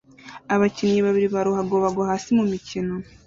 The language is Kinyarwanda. Abakinnyi babiri ba ruhago bagwa hasi mumikino